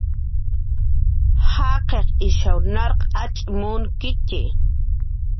Jaqiq ishkasw narq acx' munkitxi